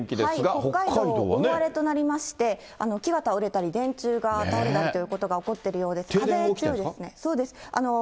北海道は大荒れとなりまして、木が倒れたり電柱が倒れたりということが起こってるようです。